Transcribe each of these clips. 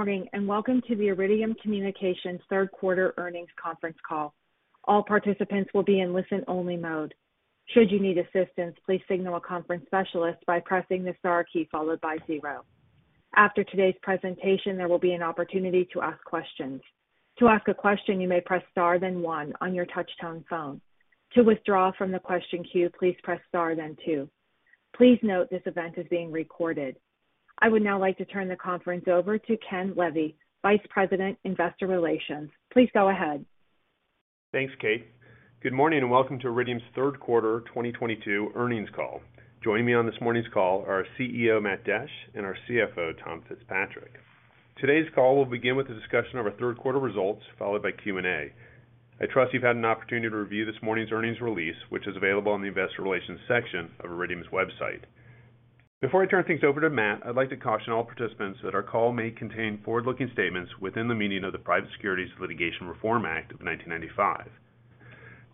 Good morning, and welcome to the Iridium Communications third quarter earnings conference call. All participants will be in listen-only mode. Should you need assistance, please signal a conference specialist by pressing the star key followed by zero. After today's presentation, there will be an opportunity to ask questions. To ask a question, you may press star then one on your touch-tone phone. To withdraw from the question queue, please press star then two. Please note this event is being recorded. I would now like to turn the conference over to Ken Levy, Vice President, Investor Relations. Please go ahead. Thanks, Kate. Good morning and welcome to Iridium's third quarter 2022 earnings call. Joining me on this morning's call are our CEO, Matt Desch, and our CFO, Tom Fitzpatrick. Today's call will begin with a discussion of our third quarter results, followed by Q&A. I trust you've had an opportunity to review this morning's earnings release, which is available on the investor relations section of Iridium's website. Before I turn things over to Matt, I'd like to caution all participants that our call may contain forward-looking statements within the meaning of the Private Securities Litigation Reform Act of 1995.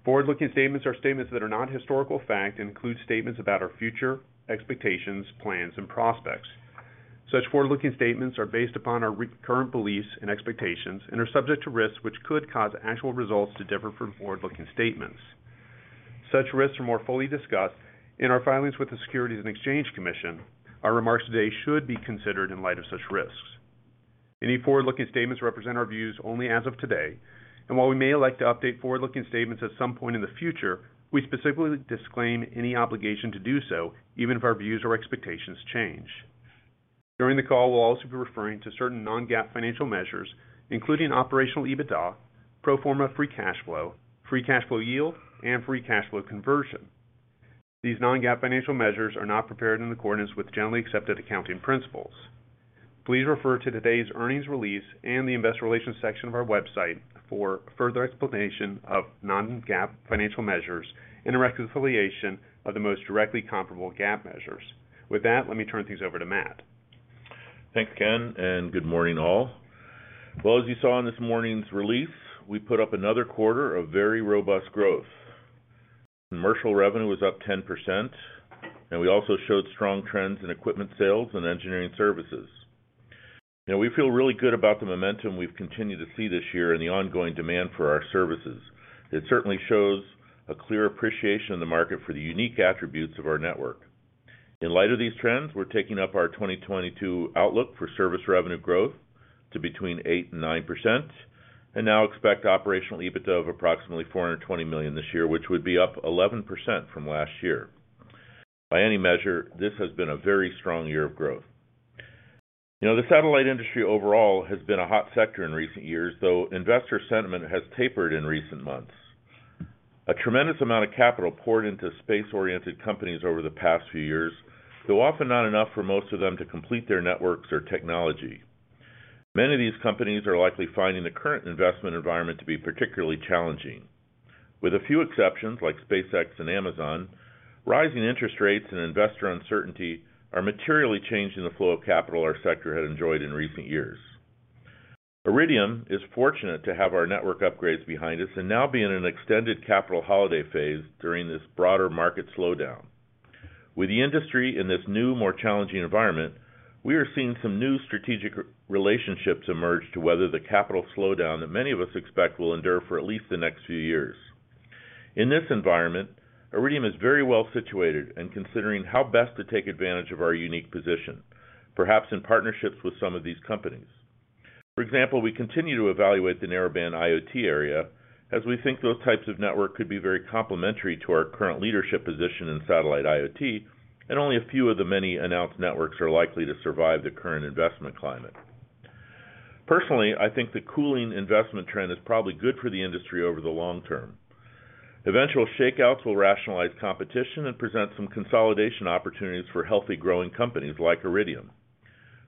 Forward-looking statements are statements that are not historical fact and include statements about our future, expectations, plans, and prospects. Such forward-looking statements are based upon our current beliefs and expectations and are subject to risks which could cause actual results to differ from forward-looking statements. Such risks are more fully discussed in our filings with the Securities and Exchange Commission. Our remarks today should be considered in light of such risks. Any forward-looking statements represent our views only as of today, and while we may like to update forward-looking statements at some point in the future, we specifically disclaim any obligation to do so, even if our views or expectations change. During the call, we'll also be referring to certain non-GAAP financial measures, including operational EBITDA, pro forma free cash flow, free cash flow yield, and free cash flow conversion. These non-GAAP financial measures are not prepared in accordance with generally accepted accounting principles. Please refer to today's earnings release and the investor relations section of our website for further explanation of non-GAAP financial measures and a reconciliation of the most directly comparable GAAP measures. With that, let me turn things over to Matt. Thanks, Ken, and good morning, all. Well, as you saw in this morning's release, we put up another quarter of very robust growth. Commercial revenue was up 10%, and we also showed strong trends in equipment sales and engineering services. You know, we feel really good about the momentum we've continued to see this year and the ongoing demand for our services. It certainly shows a clear appreciation in the market for the unique attributes of our network. In light of these trends, we're taking up our 2022 outlook for service revenue growth to between 8% and 9% and now expect operational EBITDA of approximately $420 million this year, which would be up 11% from last year. By any measure, this has been a very strong year of growth. You know, the satellite industry overall has been a hot sector in recent years, though investor sentiment has tapered in recent months. A tremendous amount of capital poured into space-oriented companies over the past few years, though often not enough for most of them to complete their networks or technology. Many of these companies are likely finding the current investment environment to be particularly challenging. With a few exceptions, like SpaceX and Amazon, rising interest rates and investor uncertainty are materially changing the flow of capital our sector had enjoyed in recent years. Iridium is fortunate to have our network upgrades behind us and now be in an extended capital holiday phase during this broader market slowdown. With the industry in this new, more challenging environment, we are seeing some new strategic relationships emerge to weather the capital slowdown that many of us expect will endure for at least the next few years. In this environment, Iridium is very well situated and considering how best to take advantage of our unique position, perhaps in partnerships with some of these companies. For example, we continue to evaluate the narrowband IoT area as we think those types of network could be very complementary to our current leadership position in satellite IoT, and only a few of the many announced networks are likely to survive the current investment climate. Personally, I think the cooling investment trend is probably good for the industry over the long term. Eventual shakeouts will rationalize competition and present some consolidation opportunities for healthy, growing companies like Iridium.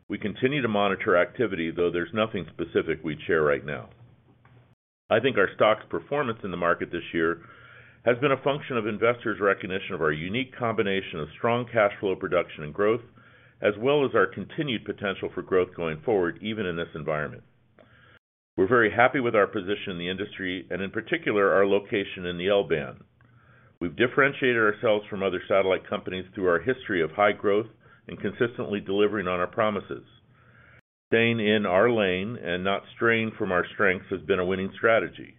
We continue to monitor activity, though there's nothing specific we'd share right now. I think our stock's performance in the market this year has been a function of investors' recognition of our unique combination of strong cash flow production and growth, as well as our continued potential for growth going forward, even in this environment. We're very happy with our position in the industry and in particular, our location in the L-band. We've differentiated ourselves from other satellite companies through our history of high growth and consistently delivering on our promises. Staying in our lane and not straying from our strengths has been a winning strategy.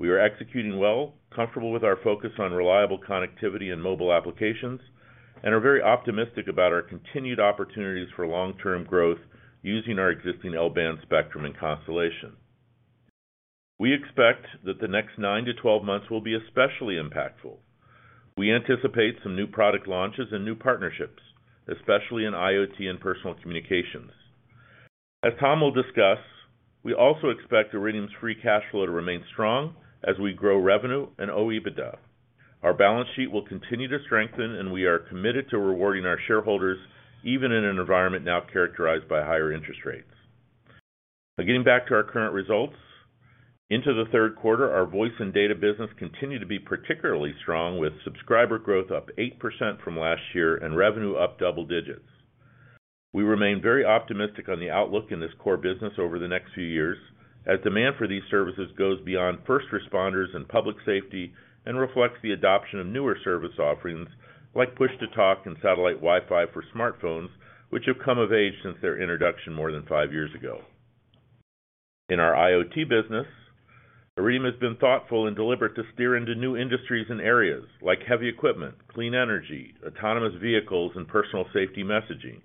We are executing well, comfortable with our focus on reliable connectivity and mobile applications, and are very optimistic about our continued opportunities for long-term growth using our existing L-band spectrum and constellation. We expect that the next 9-12 months will be especially impactful. We anticipate some new product launches and new partnerships, especially in IoT and personal communications. As Tom will discuss, we also expect Iridium's free cash flow to remain strong as we grow revenue and OIBDA. Our balance sheet will continue to strengthen, and we are committed to rewarding our shareholders even in an environment now characterized by higher interest rates. Now getting back to our current results, into the third quarter, our voice and data business continued to be particularly strong, with subscriber growth up 8% from last year and revenue up double digits. We remain very optimistic on the outlook in this core business over the next few years, as demand for these services goes beyond first responders and public safety and reflects the adoption of newer service offerings like Push-to-Talk and satellite Wi-Fi for smartphones, which have come of age since their introduction more than five years ago. In our IoT business, Iridium has been thoughtful and deliberate to steer into new industries and areas like heavy equipment, clean energy, autonomous vehicles, and personal safety messaging.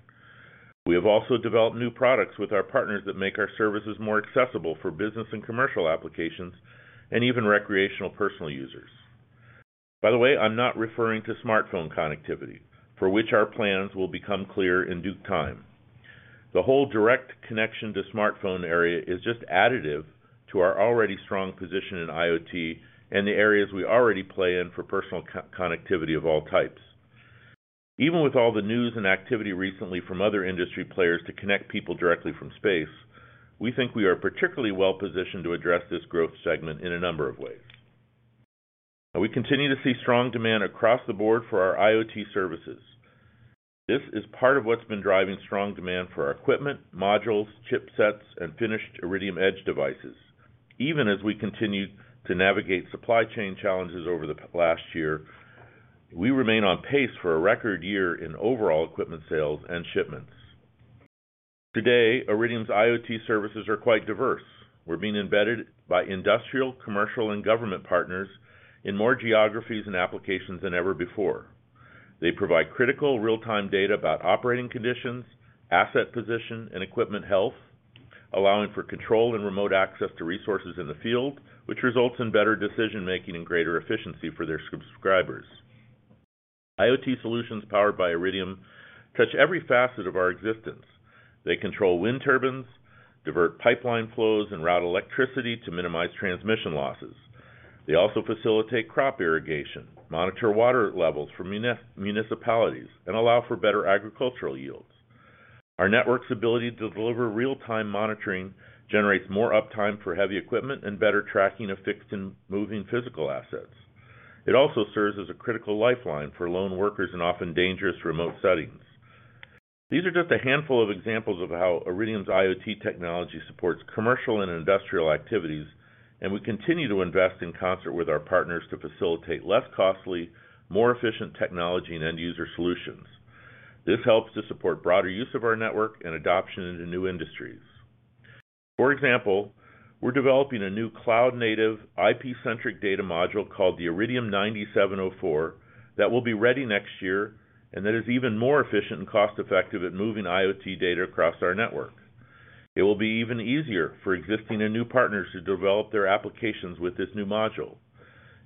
We have also developed new products with our partners that make our services more accessible for business and commercial applications and even recreational personal users. By the way, I'm not referring to smartphone connectivity, for which our plans will become clear in due time. The whole direct connection to smartphone area is just additive to our already strong position in IoT and the areas we already play in for personal connectivity of all types. Even with all the news and activity recently from other industry players to connect people directly from space, we think we are particularly well-positioned to address this growth segment in a number of ways. We continue to see strong demand across the board for our IoT services. This is part of what's been driving strong demand for our equipment, modules, chipsets, and finished Iridium Edge devices. Even as we continue to navigate supply chain challenges over the past year, we remain on pace for a record year in overall equipment sales and shipments. Today, Iridium's IoT services are quite diverse. We're being embedded by industrial, commercial, and government partners in more geographies and applications than ever before. They provide critical real-time data about operating conditions, asset position, and equipment health, allowing for control and remote access to resources in the field, which results in better decision-making and greater efficiency for their subscribers. IoT solutions powered by Iridium touch every facet of our existence. They control wind turbines, divert pipeline flows, and route electricity to minimize transmission losses. They also facilitate crop irrigation, monitor water levels for municipalities, and allow for better agricultural yields. Our network's ability to deliver real-time monitoring generates more uptime for heavy equipment and better tracking of fixed and moving physical assets. It also serves as a critical lifeline for lone workers in often dangerous remote settings. These are just a handful of examples of how Iridium's IoT technology supports commercial and industrial activities, and we continue to invest in concert with our partners to facilitate less costly, more efficient technology and end user solutions. This helps to support broader use of our network and adoption into new industries. For example, we're developing a new cloud-native IP-centric data module called the Iridium 9704 that will be ready next year, and that is even more efficient and cost-effective at moving IoT data across our network. It will be even easier for existing and new partners to develop their applications with this new module.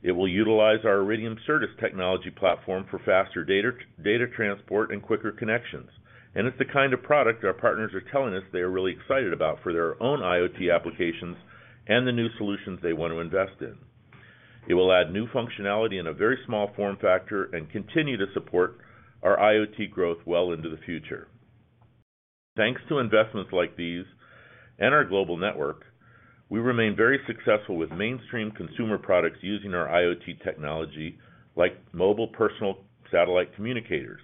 It will utilize our Iridium Certus technology platform for faster data transport, and quicker connections. It's the kind of product our partners are telling us they are really excited about for their own IoT applications and the new solutions they want to invest in. It will add new functionality in a very small form factor and continue to support our IoT growth well into the future. Thanks to investments like these and our global network, we remain very successful with mainstream consumer products using our IoT technology, like mobile personal satellite communicators.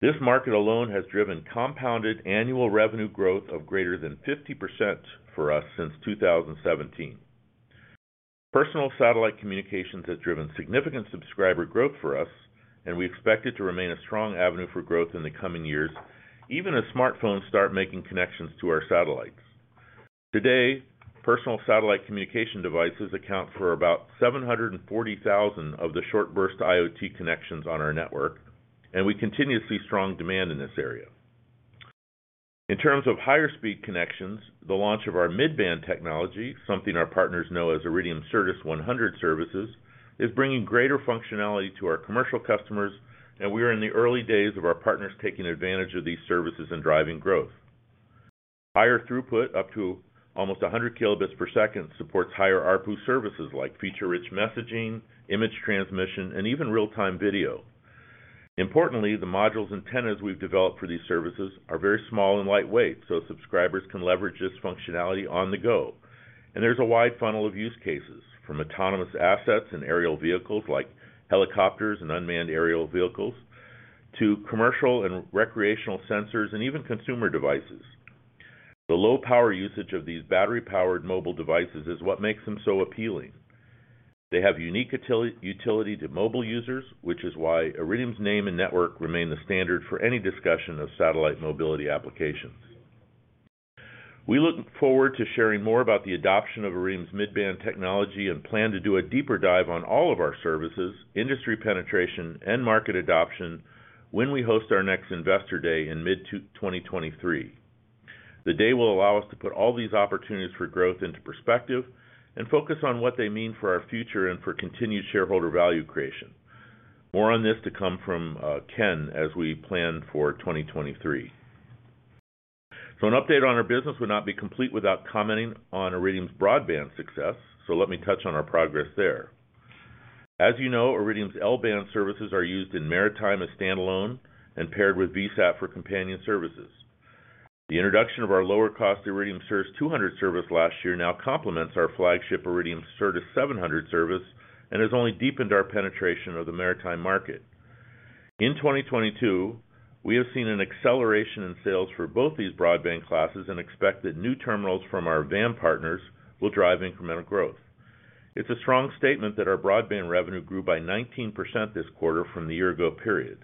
This market alone has driven compounded annual revenue growth of greater than 50% for us since 2017. Personal satellite communications has driven significant subscriber growth for us, and we expect it to remain a strong avenue for growth in the coming years, even as smartphones start making connections to our satellites. Today, personal satellite communication devices account for about 740,000 of the short burst IoT connections on our network, and we continue to see strong demand in this area. In terms of higher speed connections, the launch of our mid-band technology, something our partners know as Iridium Certus 100 services, is bringing greater functionality to our commercial customers, and we are in the early days of our partners taking advantage of these services and driving growth. Higher throughput, up to almost 100 kilobits per second, supports higher ARPU services like feature-rich messaging, image transmission, and even real-time video. Importantly, the modules and antennas we've developed for these services are very small and lightweight, so subscribers can leverage this functionality on the go. There's a wide funnel of use cases, from autonomous assets and aerial vehicles like helicopters and unmanned aerial vehicles, to commercial and recreational sensors, and even consumer devices. The low power usage of these battery-powered mobile devices is what makes them so appealing. They have unique utility to mobile users, which is why Iridium's name and network remain the standard for any discussion of satellite mobility applications. We look forward to sharing more about the adoption of Iridium's mid-band technology and plan to do a deeper dive on all of our services, industry penetration, and market adoption when we host our next Investor Day in mid-2023. The day will allow us to put all these opportunities for growth into perspective and focus on what they mean for our future and for continued shareholder value creation. More on this to come from Ken as we plan for 2023. An update on our business would not be complete without commenting on Iridium's broadband success. Let me touch on our progress there. As you know, Iridium's L-band services are used in maritime as standalone and paired with VSAT for companion services. The introduction of our lower cost Iridium Certus 200 service last year now complements our flagship Iridium Certus 700 service and has only deepened our penetration of the maritime market. In 2022, we have seen an acceleration in sales for both these broadband classes and expect that new terminals from our VAM partners will drive incremental growth. It's a strong statement that our broadband revenue grew by 19% this quarter from the year ago period.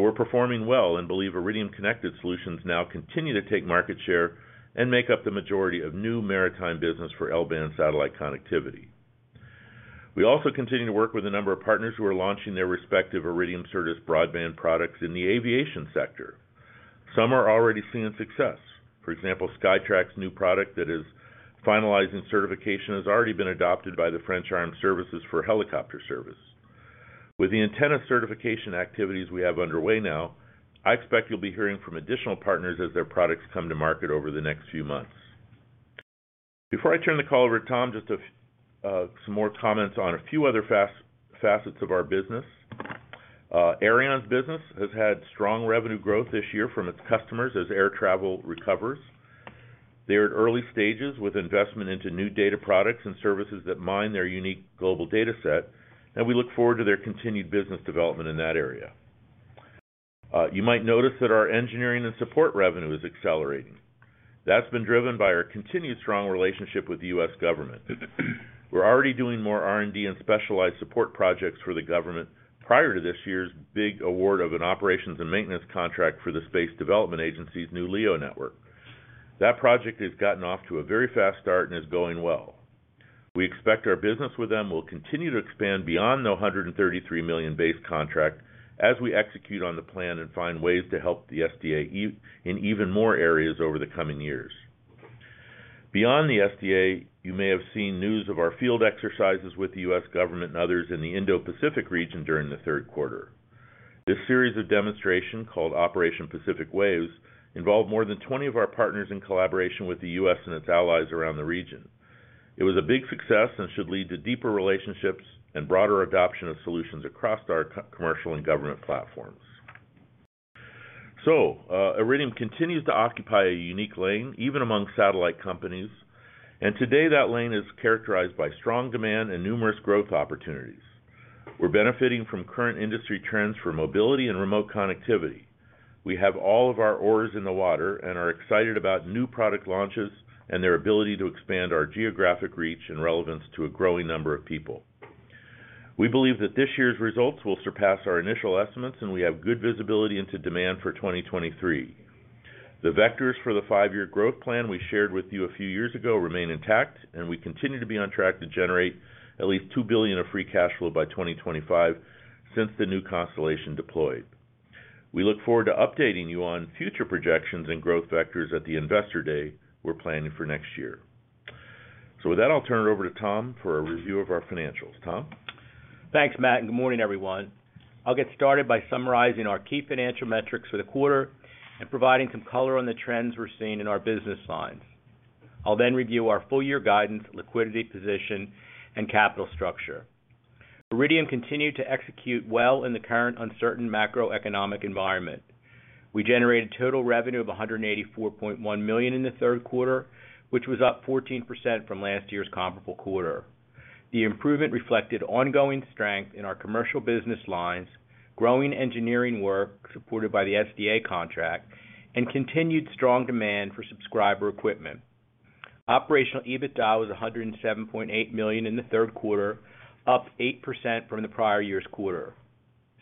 We're performing well and believe Iridium Connected solutions now continue to take market share and make up the majority of new maritime business for L-band satellite connectivity. We also continue to work with a number of partners who are launching their respective Iridium Certus broadband products in the aviation sector. Some are already seeing success. For example, SKYTRAC's new product that is finalizing certification has already been adopted by the French Armed Forces for helicopter service. With the antenna certification activities we have underway now, I expect you'll be hearing from additional partners as their products come to market over the next few months. Before I turn the call over to Tom, just some more comments on a few other facets of our business. Aireon's business has had strong revenue growth this year from its customers as air travel recovers. They're at early stages with investment into new data products and services that mine their unique global data set, and we look forward to their continued business development in that area. You might notice that our engineering and support revenue is accelerating. That's been driven by our continued strong relationship with the U.S. government. We're already doing more R&D and specialized support projects for the government prior to this year's big award of an operations and maintenance contract for the Space Development Agency's new LEO network. That project has gotten off to a very fast start and is going well. We expect our business with them will continue to expand beyond the $133 million base contract as we execute on the plan and find ways to help the SDA in even more areas over the coming years. Beyond the SDA, you may have seen news of our field exercises with the U.S. government and others in the Indo-Pacific region during the third quarter. This series of demonstration, called Operation Pacific Waves, involved more than 20 of our partners in collaboration with the U.S. and its allies around the region. It was a big success and should lead to deeper relationships and broader adoption of solutions across our commercial and government platforms. Iridium continues to occupy a unique lane, even among satellite companies. Today, that lane is characterized by strong demand and numerous growth opportunities. We're benefiting from current industry trends for mobility and remote connectivity. We have all of our oars in the water and are excited about new product launches and their ability to expand our geographic reach and relevance to a growing number of people. We believe that this year's results will surpass our initial estimates, and we have good visibility into demand for 2023. The vectors for the five-year growth plan we shared with you a few years ago remain intact, and we continue to be on track to generate at least $2 billion of free cash flow by 2025 since the new constellation deployed. We look forward to updating you on future projections and growth vectors at the investor day we're planning for next year. With that, I'll turn it over to Tom for a review of our financials. Tom? Thanks, Matt, and good morning, everyone. I'll get started by summarizing our key financial metrics for the quarter and providing some color on the trends we're seeing in our business lines. I'll then review our full year guidance, liquidity position, and capital structure. Iridium continued to execute well in the current uncertain macroeconomic environment. We generated total revenue of $184.1 million in the third quarter, which was up 14% from last year's comparable quarter. The improvement reflected ongoing strength in our commercial business lines, growing engineering work supported by the SDA contract, and continued strong demand for subscriber equipment. Operational EBITDA was $107.8 million in the third quarter, up 8% from the prior year's quarter.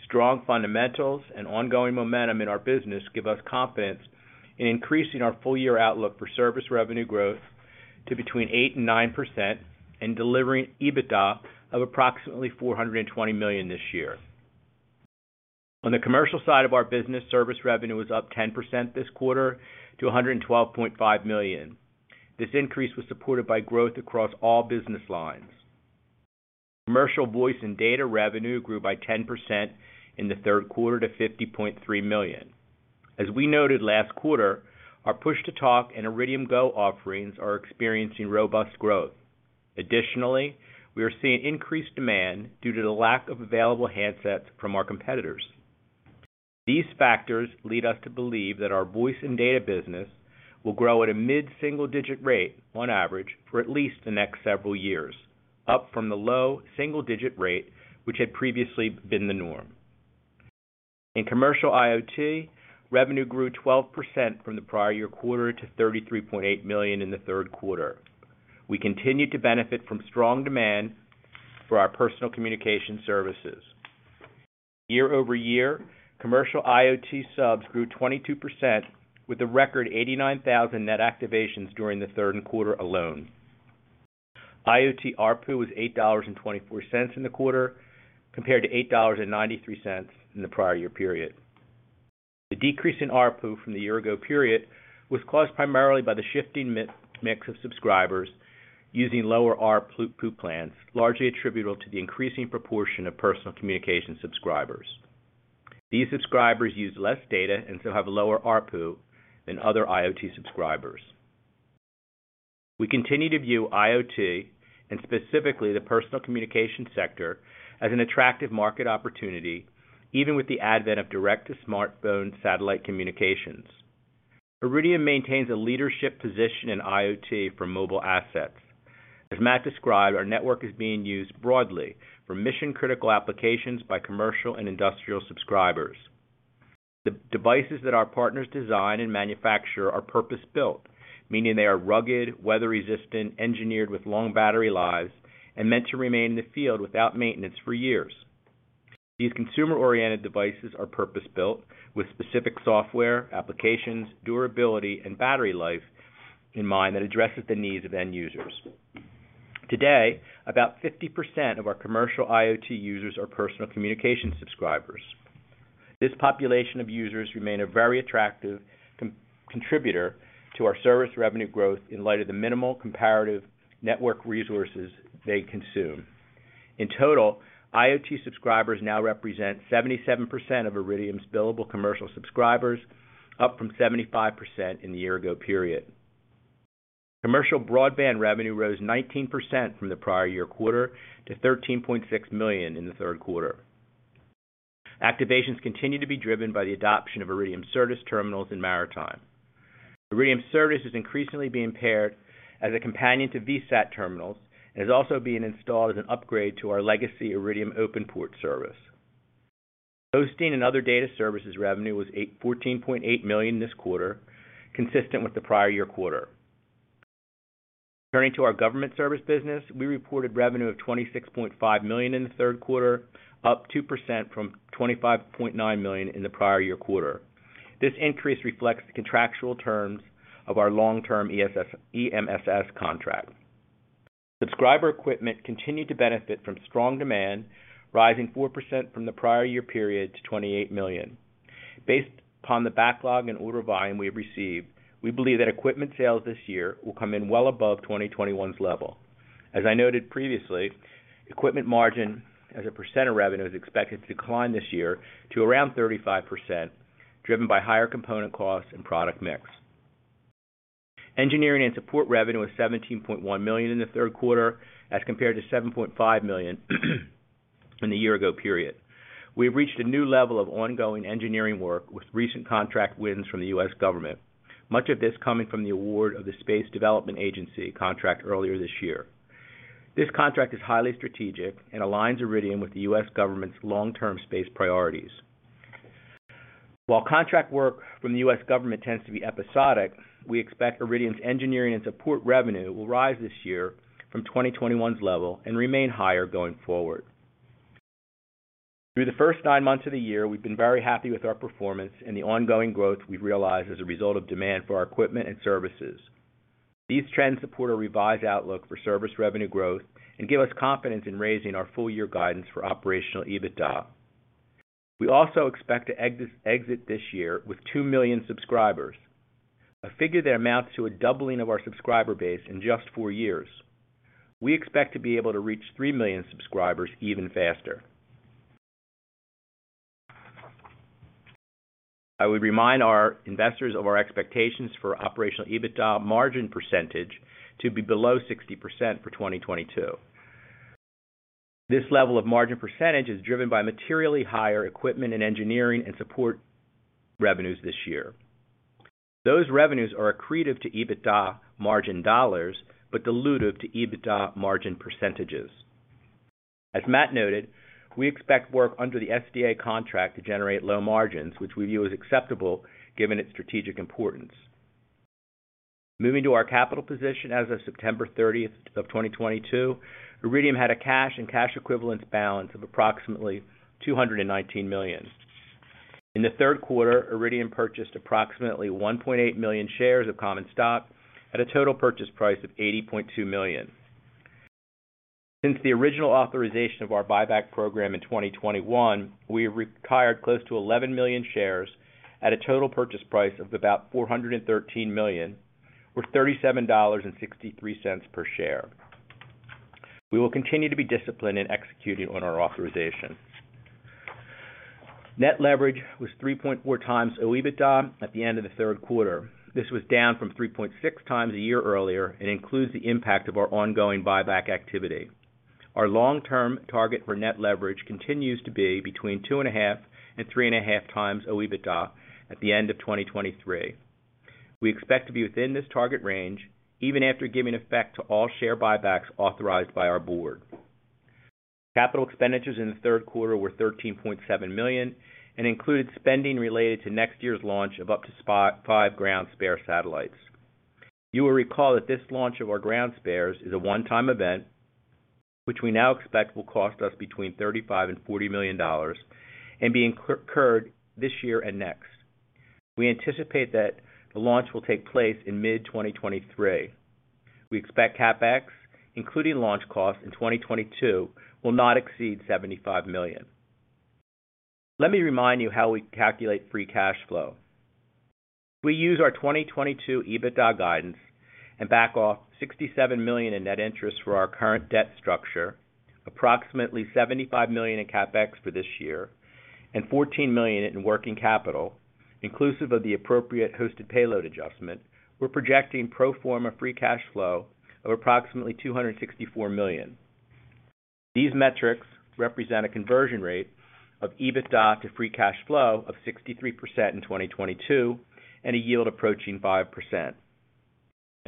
Strong fundamentals and ongoing momentum in our business give us confidence in increasing our full year outlook for service revenue growth to between 8% and 9% and delivering EBITDA of approximately $420 million this year. On the commercial side of our business, service revenue was up 10% this quarter to $112.5 million. This increase was supported by growth across all business lines. Commercial voice and data revenue grew by 10% in the third quarter to $50.3 million. As we noted last quarter, our Push-to-Talk and Iridium GO! offerings are experiencing robust growth. Additionally, we are seeing increased demand due to the lack of available handsets from our competitors. These factors lead us to believe that our voice and data business will grow at a mid-single-digit rate on average for at least the next several years, up from the low single-digit rate which had previously been the norm. In commercial IoT, revenue grew 12% from the prior year quarter to $33.8 million in the third quarter. We continued to benefit from strong demand for our personal communication services. Year-over-year, commercial IoT subs grew 22% with a record 89,000 net activations during the third quarter alone. IoT ARPU was $8.24 in the quarter, compared to $8.93 in the prior year period. The decrease in ARPU from the year ago period was caused primarily by the shifting mix of subscribers using lower ARPU plans, largely attributable to the increasing proportion of personal communication subscribers. These subscribers use less data and so have lower ARPU than other IoT subscribers. We continue to view IoT, and specifically the personal communication sector, as an attractive market opportunity, even with the advent of direct-to-smartphone satellite communications. Iridium maintains a leadership position in IoT for mobile assets. As Matt described, our network is being used broadly for mission-critical applications by commercial and industrial subscribers. The devices that our partners design and manufacture are purpose-built, meaning they are rugged, weather-resistant, engineered with long battery lives, and meant to remain in the field without maintenance for years. These consumer-oriented devices are purpose-built with specific software, applications, durability, and battery life in mind that addresses the needs of end users. Today, about 50% of our commercial IoT users are personal communication subscribers. This population of users remain a very attractive contributor to our service revenue growth in light of the minimal comparative network resources they consume. In total, IoT subscribers now represent 77% of Iridium's billable commercial subscribers, up from 75% in the year ago period. Commercial broadband revenue rose 19% from the prior year quarter to $13.6 million in the third quarter. Activations continue to be driven by the adoption of Iridium Certus terminals in maritime. Iridium service is increasingly being paired as a companion to VSAT terminals, and is also being installed as an upgrade to our legacy Iridium OpenPort service. Hosting and other data services revenue was fourteen point eight million this quarter, consistent with the prior year quarter. Turning to our government service business, we reported revenue of $26.5 million in the third quarter, up 2% from $25.9 million in the prior year quarter. This increase reflects the contractual terms of our long-term EMSS contract. Subscriber equipment continued to benefit from strong demand, rising 4% from the prior year period to $28 million. Based upon the backlog and order volume we have received, we believe that equipment sales this year will come in well above 2021's level. As I noted previously, equipment margin as a % of revenue is expected to decline this year to around 35%, driven by higher component costs and product mix. Engineering and support revenue was $17.1 million in the third quarter, as compared to $7.5 million, in the year ago period. We have reached a new level of ongoing engineering work with recent contract wins from the U.S. government, much of this coming from the award of the Space Development Agency contract earlier this year. This contract is highly strategic and aligns Iridium with the U.S. government's long-term space priorities. While contract work from the U.S. government tends to be episodic, we expect Iridium's engineering and support revenue will rise this year from 2021's level and remain higher going forward. Through the first nine months of the year, we've been very happy with our performance and the ongoing growth we've realized as a result of demand for our equipment and services. These trends support our revised outlook for service revenue growth and give us confidence in raising our full year guidance for operational EBITDA. We also expect to exit this year with 2 million subscribers, a figure that amounts to a doubling of our subscriber base in just four years. We expect to be able to reach 3 million subscribers even faster. I would remind our investors of our expectations for operational EBITDA margin percentage to be below 60% for 2022. This level of margin percentage is driven by materially higher equipment and engineering and support revenues this year. Those revenues are accretive to EBITDA margin dollars, but dilutive to EBITDA margin percentages. As Matt noted, we expect work under the SDA contract to generate low margins, which we view as acceptable given its strategic importance. Moving to our capital position as of September 30, 2022, Iridium had a cash and cash equivalents balance of approximately $219 million. In the third quarter, Iridium purchased approximately 1.8 million shares of common stock at a total purchase price of $80.2 million. Since the original authorization of our buyback program in 2021, we have retired close to 11 million shares at a total purchase price of about $413 million, or $37.63 per share. We will continue to be disciplined in executing on our authorization. Net leverage was 3.4 times OIBDA at the end of the third quarter. This was down from 3.6 times a year earlier, and includes the impact of our ongoing buyback activity. Our long-term target for net leverage continues to be between 2.5 and 3.5 times OIBDA at the end of 2023. We expect to be within this target range even after giving effect to all share buybacks authorized by our board. Capital expenditures in the third quarter were $13.7 million, and included spending related to next year's launch of up to five ground spare satellites. You will recall that this launch of our ground spares is a one-time event which we now expect will cost us between $35 million and $40 million and be incurred this year and next. We anticipate that the launch will take place in mid-2023. We expect CapEx, including launch costs in 2022, will not exceed $75 million. Let me remind you how we calculate free cash flow. If we use our 2022 EBITDA guidance and back off $67 million in net interest for our current debt structure, approximately $75 million in CapEx for this year, and $14 million in working capital, inclusive of the appropriate hosted payload adjustment, we're projecting pro forma free cash flow of approximately $264 million. These metrics represent a conversion rate of EBITDA to free cash flow of 63% in 2022 and a yield approaching 5%.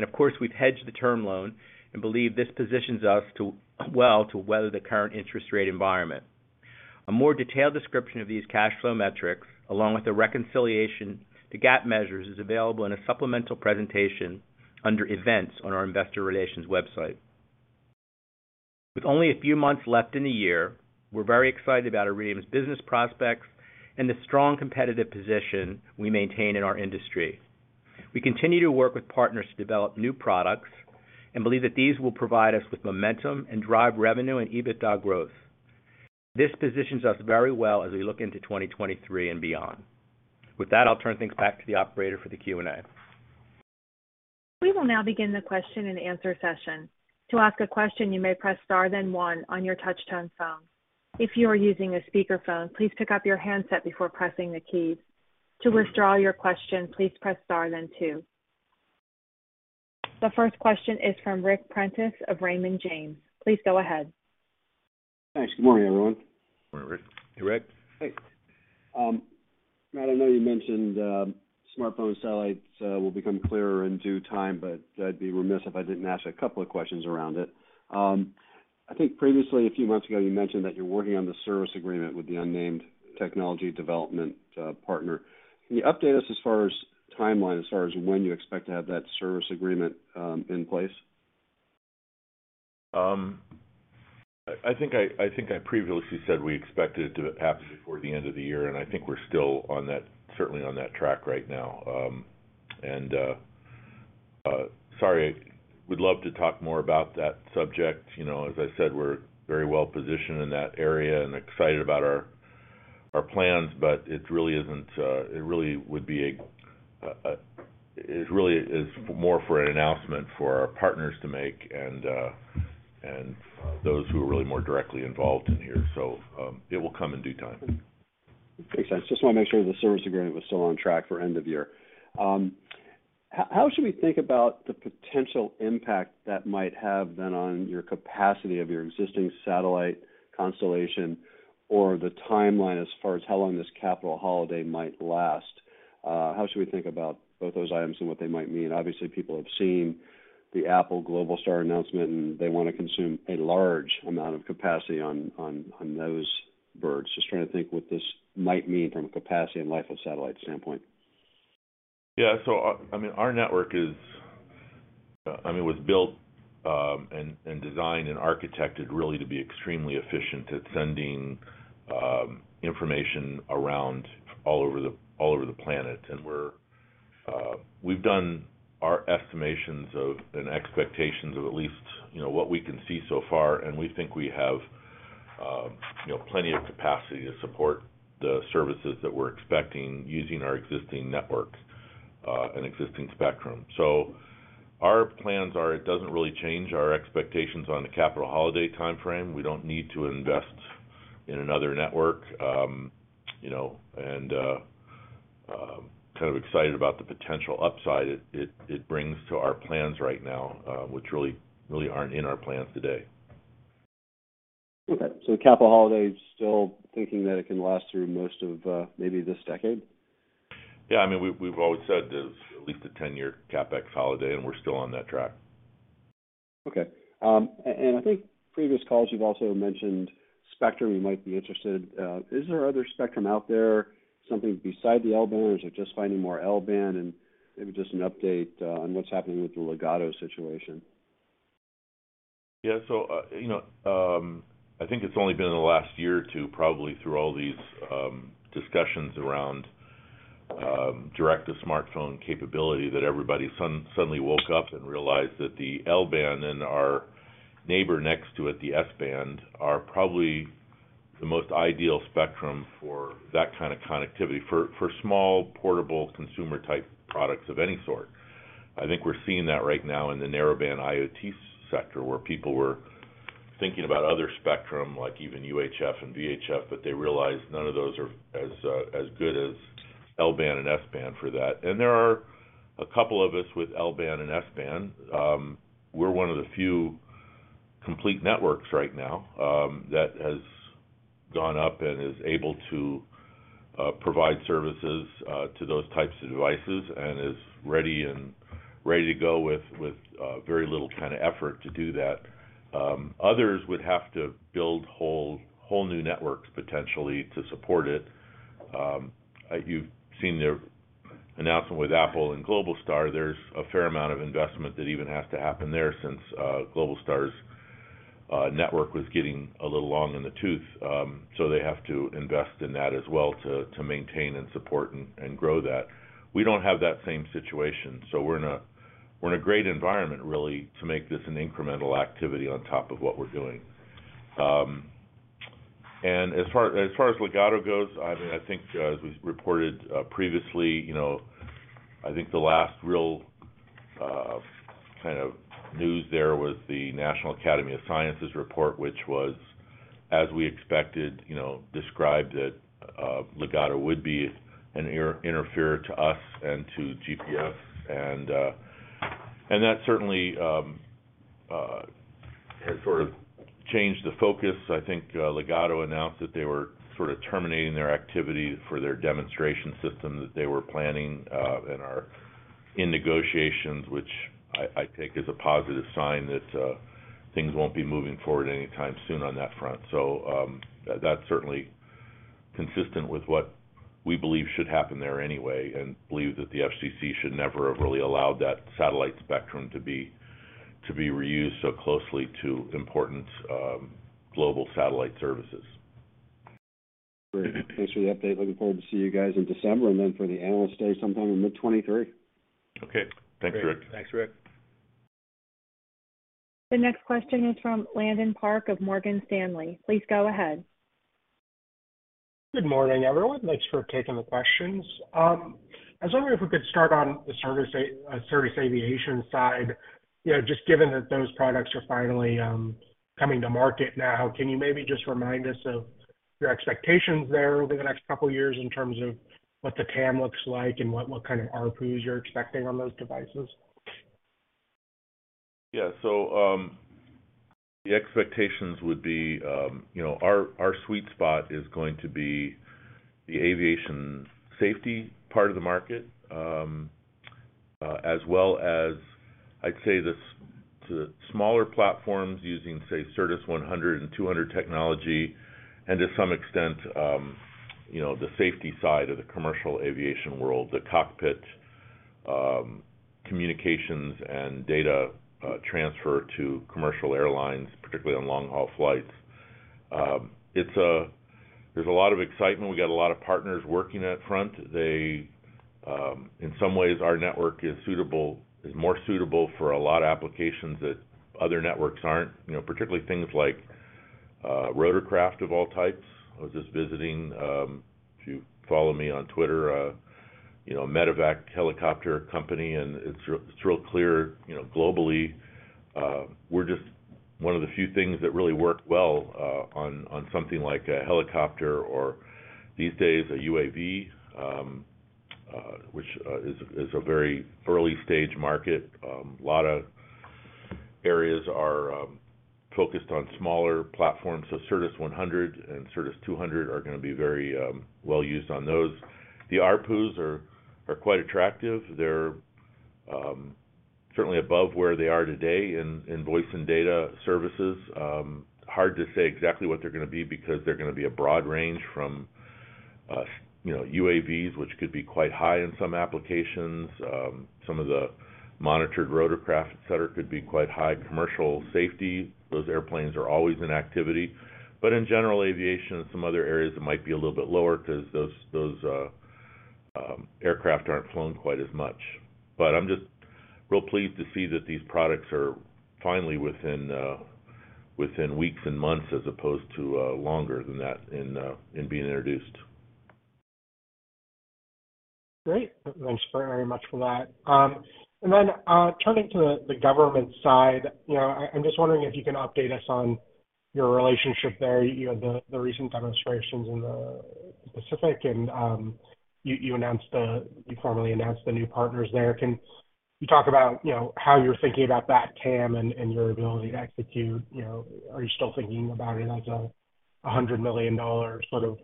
Of course, we've hedged the term loan and believe this positions us to, well, to weather the current interest rate environment. A more detailed description of these cash flow metrics, along with the reconciliation to GAAP measures, is available in a supplemental presentation under Events on our investor relations website. With only a few months left in the year, we're very excited about Iridium's business prospects and the strong competitive position we maintain in our industry. We continue to work with partners to develop new products and believe that these will provide us with momentum and drive revenue and EBITDA growth. This positions us very well as we look into 2023 and beyond. With that, I'll turn things back to the operator for the Q&A. We will now begin the question-and-answer session. To ask a question, you may press star then one on your touch-tone phone. If you are using a speakerphone, please pick up your handset before pressing the keys. To withdraw your question, please press star then two. The first question is from Rick Prentiss of Raymond James. Please go ahead. Thanks. Good morning, everyone. Good morning, Rick. Hey, Rick. Hey. Matt, I know you mentioned smartphone satellites will become clearer in due time, but I'd be remiss if I didn't ask a couple of questions around it. I think previously, a few months ago, you mentioned that you're working on the service agreement with the unnamed technology development partner. Can you update us as far as timeline, as far as when you expect to have that service agreement in place? I think I previously said we expected it to happen before the end of the year, and I think we're still on that track right now. Sorry, I would love to talk more about that subject. You know, as I said, we're very well-positioned in that area and excited about our plans, but it really is more for an announcement for our partners to make and those who are really more directly involved in here. It will come in due time. Makes sense. Just wanna make sure the service agreement was still on track for end of year. How should we think about the potential impact that might have then on your capacity of your existing satellite constellation or the timeline as far as how long this capital holiday might last? How should we think about both those items and what they might mean? Obviously, people have seen the Apple Globalstar announcement, and they wanna consume a large amount of capacity on those birds. Just trying to think what this might mean from a capacity and life of satellite standpoint. Yeah. I mean, our network was built and designed and architected really to be extremely efficient at sending information around all over the planet. We've done our estimations and expectations of at least, you know, what we can see so far, and we think we have you know plenty of capacity to support the services that we're expecting using our existing networks and existing spectrum. Our plans are it doesn't really change our expectations on the CapEx-heavy timeframe. We don't need to invest in another network. You know, kind of excited about the potential upside it brings to our plans right now, which really aren't in our plans today. Okay. The CapEx holiday is still thinking that it can last through most of, maybe this decade? Yeah. I mean, we've always said there's at least a 10-year CapEx holiday, and we're still on that track. Okay. I think previous calls you've also mentioned spectrum you might be interested. Is there other spectrum out there, something besides the L-band, or is it just finding more L-band? Maybe just an update on what's happening with the Ligado situation. Yeah. I think it's only been in the last year or two, probably through all these discussions around direct-to-smartphone capability that everybody suddenly woke up and realized that the L-band and our neighbor next to it, the S-band, are probably the most ideal spectrum for that kind of connectivity for small, portable, consumer-type products of any sort. I think we're seeing that right now in the narrowband IoT sector, where people were thinking about other spectrum, like even UHF and VHF, but they realized none of those are as good as L-band and S-band for that. There are a couple of us with L-band and S-band. We're one of the few complete networks right now that has gone up and is able to provide services to those types of devices and is ready to go with very little kinda effort to do that. Others would have to build whole new networks potentially to support it. You've seen the announcement with Apple and Globalstar. There's a fair amount of investment that even has to happen there since Globalstar's network was getting a little long in the tooth. So they have to invest in that as well to maintain and support and grow that. We don't have that same situation, so we're in a great environment really to make this an incremental activity on top of what we're doing. As far as Ligado goes, I mean, I think as we've reported previously, you know, I think the last real kind of news there was the National Academy of Sciences report, which was, as we expected, you know, described that Ligado would be an interferer to us and to GPS. That certainly had sort of changed the focus. I think Ligado announced that they were sort of terminating their activity for their demonstration system that they were planning and are in negotiations, which I take as a positive sign that things won't be moving forward anytime soon on that front. That's certainly consistent with what we believe should happen there anyway and believe that the FCC should never have really allowed that satellite spectrum to be reused so closely to important global satellite services. Great. Thanks for the update. Looking forward to see you guys in December and then for the Analyst Day sometime in mid-2023. Okay. Thanks, Rick. Great. Thanks, Rick. The next question is from Landon Park of Morgan Stanley. Please go ahead. Good morning, everyone. Thanks for taking the questions. I was wondering if we could start on the Certus Aviation side. You know, just given that those products are finally coming to market now, can you maybe just remind us of your expectations there over the next couple of years in terms of what the TAM looks like and what kind of ARPU you're expecting on those devices? Yeah. The expectations would be, you know, our sweet spot is going to be the aviation safety part of the market, as well as I'd say the smaller platforms using, say, Certus 100 and 200 technology, and to some extent, you know, the safety side of the commercial aviation world, the cockpit, communications and data, transfer to commercial airlines, particularly on long-haul flights. There's a lot of excitement. We got a lot of partners working that front. They, in some ways, our network is more suitable for a lot of applications that other networks aren't, you know, particularly things like, rotorcraft of all types. I was just visiting, if you follow me on Twitter, you know, a medevac helicopter company, and it's real clear, you know, globally, we're just one of the few things that really work well on something like a helicopter or these days, a UAV, which is a very early-stage market. A lot of areas are focused on smaller platforms. Certus 100 and Certus 200 are gonna be very well used on those. The ARPUs are quite attractive. They're certainly above where they are today in voice and data services. Hard to say exactly what they're gonna be because they're gonna be a broad range from, you know, UAVs, which could be quite high in some applications. Some of the monitored rotorcraft, et cetera, could be quite high. Commercial safety, those airplanes are always in activity. In general aviation and some other areas, it might be a little bit lower because those aircraft aren't flown quite as much. I'm just real pleased to see that these products are finally within weeks and months as opposed to longer than that in being introduced. Great. Thanks very much for that. Turning to the government side, you know, I'm just wondering if you can update us on your relationship there. You know, the recent demonstrations in the Pacific, and you formally announced the new partners there. Can you talk about, you know, how you're thinking about that TAM and your ability to execute? You know, are you still thinking about it as a $100 million sort of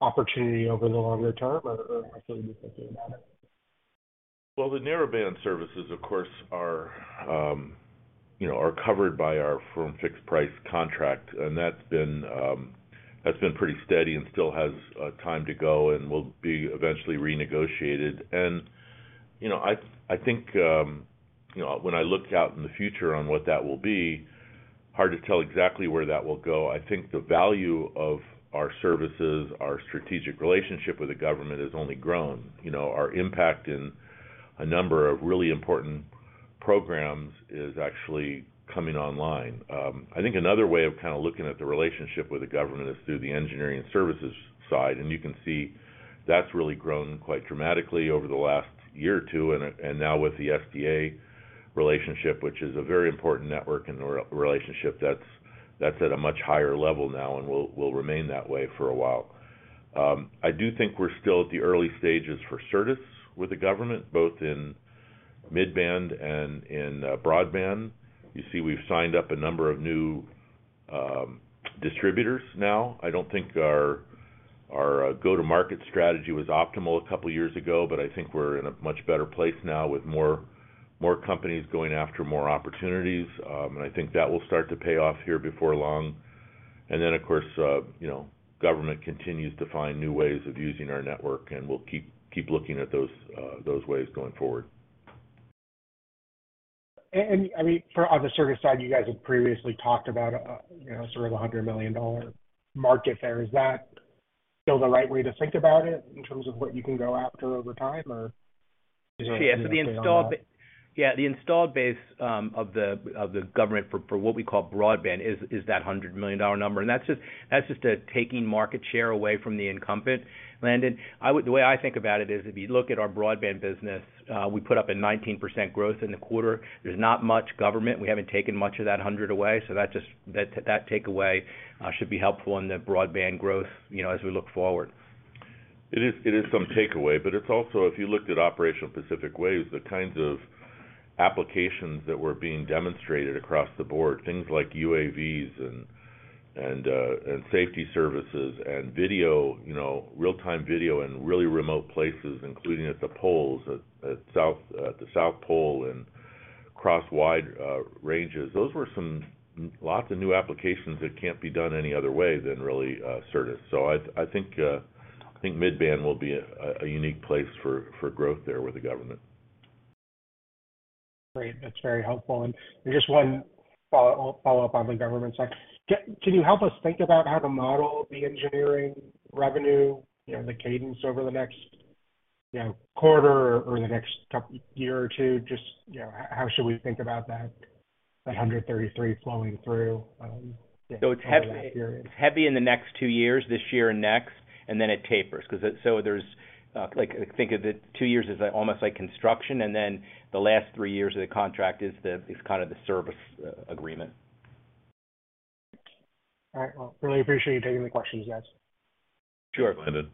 opportunity over the longer term, or how are you thinking about it? Well, the narrowband services, of course, you know, are covered by our firm fixed price contract, and that's been pretty steady and still has time to go and will be eventually renegotiated. You know, I think, you know, when I look out in the future on what that will be, hard to tell exactly where that will go. I think the value of our services, our strategic relationship with the government has only grown. You know, our impact in a number of really important programs is actually coming online. I think another way of kind of looking at the relationship with the government is through the engineering and services side, and you can see that's really grown quite dramatically over the last year or two, and now with the SDA relationship, which is a very important network and relationship that's at a much higher level now and will remain that way for a while. I do think we're still at the early stages for Certus with the government, both in mid-band and in broadband. You see, we've signed up a number of new distributors now. I don't think our go-to-market strategy was optimal a couple of years ago, but I think we're in a much better place now with more companies going after more opportunities. I think that will start to pay off here before long. Of course, you know, government continues to find new ways of using our network, and we'll keep looking at those ways going forward. I mean, on the service side, you guys have previously talked about, you know, sort of the $100 million market there. Is that still the right way to think about it in terms of what you can go after over time, or is that? The installed base of the government for what we call broadband is that $100 million number, and that's just taking market share away from the incumbent, Landon. The way I think about it is if you look at our broadband business, we put up a 19% growth in the quarter. There's not much government. We haven't taken much of that hundred away. That takeaway should be helpful in the broadband growth, you know, as we look forward. It is some takeaway, but it's also, if you looked at Operation Pacific Waves, the kinds of applications that were being demonstrated across the board, things like UAVs and safety services and video, you know, real-time video in really remote places, including at the poles, at the South Pole and across wide ranges. Those were lots of new applications that can't be done any other way than really Certus. I think mid-band will be a unique place for growth there with the government. Great. That's very helpful. Just one follow-up on the government side. Greg, can you help us think about how to model the engineering revenue, you know, the cadence over the next, you know, quarter or the next couple year or two? Just, you know, how should we think about that $133 flowing through, you know, over that period? It's heavy in the next 2 years, this year and next, and then it tapers. Because there's, like, think of it, 2 years as almost like construction, and then the last 3 years of the contract is kind of the service agreement. All right. Well, really appreciate you taking the questions, guys. Sure, Landon.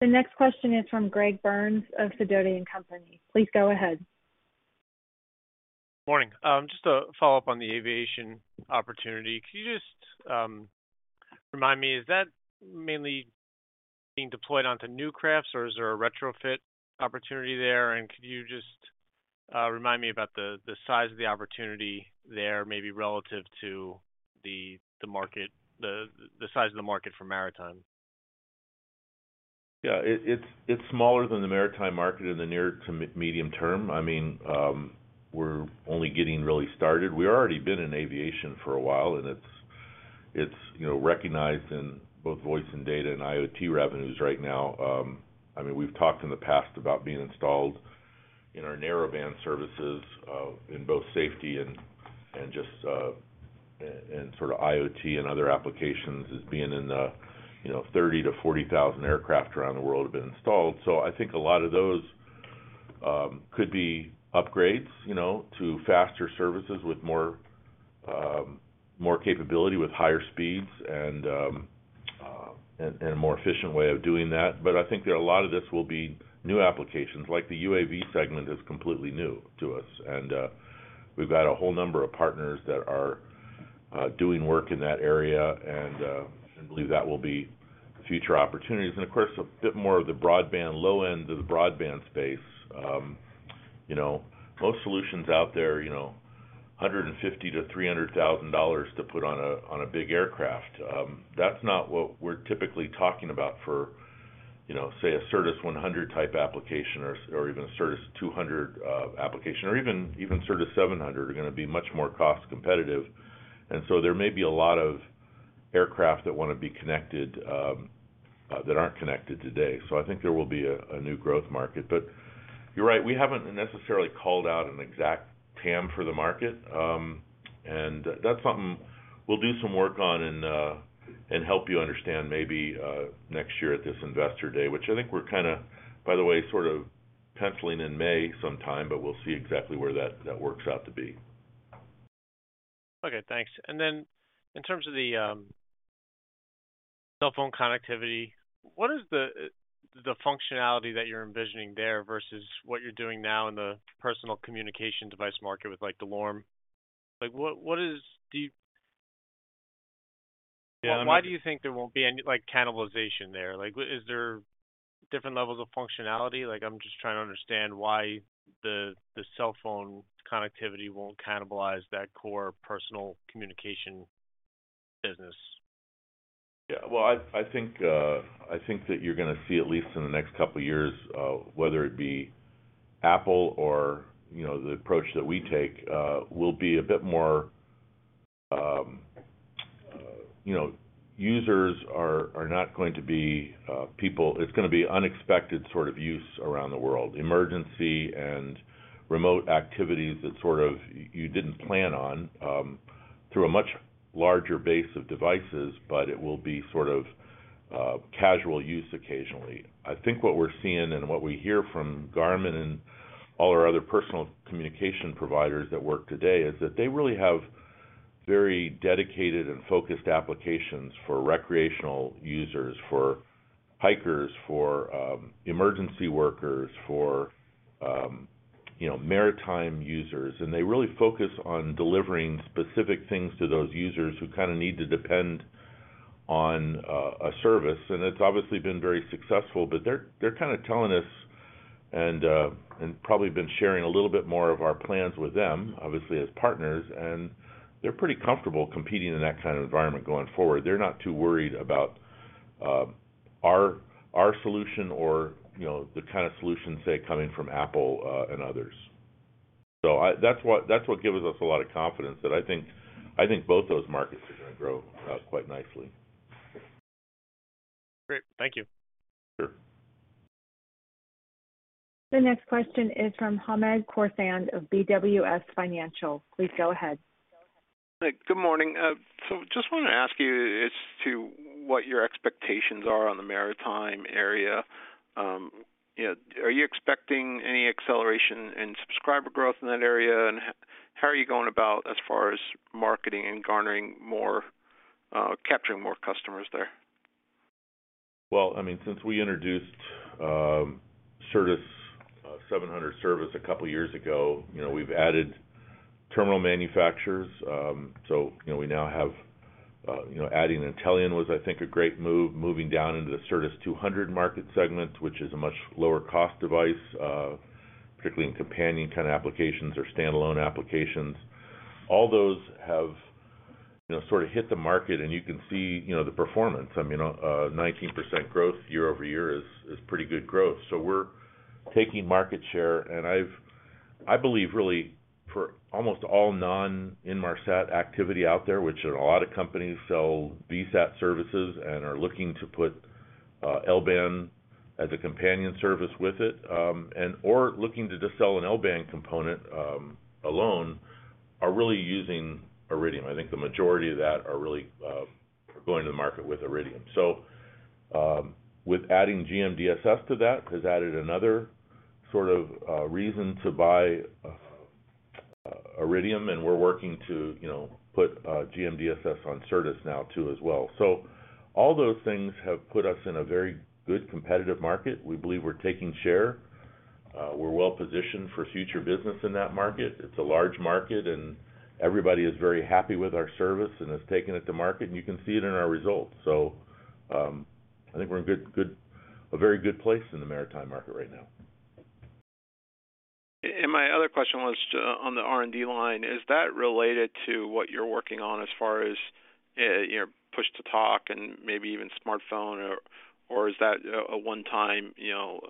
The next question is from Gregory Burns of Sidoti & Company. Please go ahead. Morning. Just to follow up on the aviation opportunity. Could you just remind me, is that mainly being deployed onto new aircraft or is there a retrofit opportunity there? Could you just remind me about the size of the opportunity there, maybe relative to the market, the size of the market for maritime? Yeah, it's smaller than the maritime market in the near to medium term. I mean, we're only getting really started. We already been in aviation for a while, and it's, you know, recognized in both voice and data and IoT revenues right now. I mean, we've talked in the past about being installed in our narrowband services in both safety and just sort of IoT and other applications as being in the 30,000-40,000 aircraft around the world have been installed. So I think a lot of those could be upgrades, you know, to faster services with more capability, with higher speeds and a more efficient way of doing that. But I think that a lot of this will be new applications. Like the UAV segment is completely new to us. We've got a whole number of partners that are doing work in that area, and I believe that will be future opportunities. Of course, a bit more of the broadband, low end of the broadband space. You know, most solutions out there, you know, $150,000-$300,000 to put on a big aircraft. That's not what we're typically talking about for, you know, say, a Certus 100 type application or even a Certus 200 application, or even Certus 700 are gonna be much more cost-competitive. There may be a lot of aircraft that wanna be connected that aren't connected today. I think there will be a new growth market. You're right, we haven't necessarily called out an exact TAM for the market. That's something we'll do some work on and help you understand maybe next year at this investor day, which I think we're kinda, by the way, sort of penciling in May sometime, but we'll see exactly where that works out to be. Okay, thanks. In terms of the cell phone connectivity, what is the functionality that you're envisioning there versus what you're doing now in the personal communication device market with like the inReach? Like, what is the- Yeah, I mean. Why do you think there won't be any, like, cannibalization there? Like, is there different levels of functionality? Like, I'm just trying to understand why the cell phone connectivity won't cannibalize that core personal communication business. Yeah. Well, I think that you're gonna see, at least in the next couple of years, whether it be Apple or, you know, the approach that we take, will be a bit more, you know, users are not going to be people. It's gonna be unexpected sort of use around the world, emergency and remote activities that sort of you didn't plan on, through a much larger base of devices, but it will be sort of casual use occasionally. I think what we're seeing and what we hear from Garmin and all our other personal communication providers that work today is that they really have very dedicated and focused applications for recreational users, for hikers, for emergency workers, for you know, maritime users. They really focus on delivering specific things to those users who kind of need to depend on a service. It's obviously been very successful, but they're kind of telling us and probably been sharing a little bit more of our plans with them, obviously as partners, and they're pretty comfortable competing in that kind of environment going forward. They're not too worried about our solution or, you know, the kind of solution, say, coming from Apple and others. That's what gives us a lot of confidence that I think both those markets are gonna grow quite nicely. Great. Thank you. Sure. The next question is from Hamed Khorsand of BWS Financial. Please go ahead. Good morning. Just wanted to ask you as to what your expectations are on the maritime area? Are you expecting any acceleration in subscriber growth in that area? How are you going about as far as marketing and garnering more, capturing more customers there? Well, I mean, since we introduced Certus 700 service a couple years ago, you know, we've added terminal manufacturers. You know, we now have, you know, adding Intellian was, I think, a great move, moving down into the Certus 200 market segment, which is a much lower cost device, particularly in companion kind of applications or standalone applications. All those have, you know, sort of hit the market, and you can see, you know, the performance. I mean, 19% growth year-over-year is pretty good growth. We're taking market share. I believe really for almost all non-Inmarsat activity out there, which are a lot of companies sell VSAT services and are looking to put L-band as a companion service with it, and or looking to just sell an L-band component alone, are really using Iridium. I think the majority of that are really going to the market with Iridium. With adding GMDSS to that has added another sort of reason to buy Iridium, and we're working to, you know, put GMDSS on Certus now too as well. All those things have put us in a very good competitive market. We believe we're taking share. We're well-positioned for future business in that market. It's a large market, and everybody is very happy with our service and has taken it to market, and you can see it in our results. I think we're in a very good place in the maritime market right now. My other question was on the R&D line. Is that related to what you're working on as far as you know, push to talk and maybe even smartphone or is that a one-time you know,